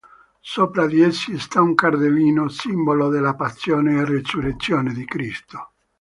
Sopra di essi sta un cardellino, simbolo della passione e resurrezione di Cristo.